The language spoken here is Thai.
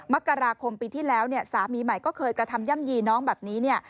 มกราคมปีที่แล้วเนี่ยสามีใหม่ก็เคยกระทำย่ำยีน้องแบบนี้เนี่ย